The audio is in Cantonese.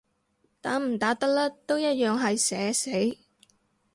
打唔打得甩都一樣係社死